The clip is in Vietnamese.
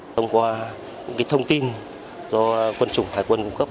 thông qua những thông tin do quân chủng hải quân cung cấp